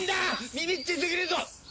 みみっちすぎるぞ！